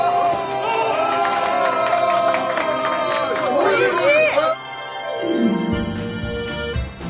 おいしい！